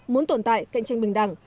muốn tồn tại cạnh tranh bình đẳng